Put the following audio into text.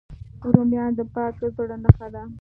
رومیان د پاک زړه نښه ده